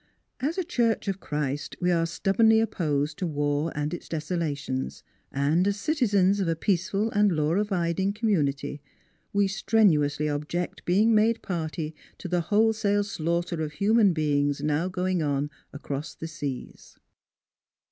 As a church of Christ we are stubbornly opposed to i8o NEIGHBORS war and its desolations, and as citizens of a peaceful and law abiding community we strenu ously object being made party to the wholesale slaughter of human beings now going on across the seas."